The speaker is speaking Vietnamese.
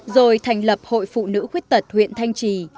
rồi thành lập hội phụ nữ khuyết tật huyện thanh trì